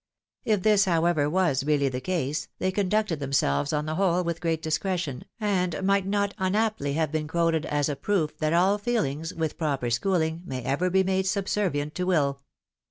If this, however, was really the case, they conducted themselves on the whole with great discretion, and might not unaptly have been quoted as a proof that all feelings, with pro per schoohng, may ever be made subservient to will.